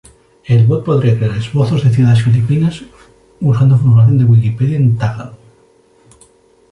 El bot podría crear esbozos de ciudades filipinas usando información de Wikipedia en tagalo.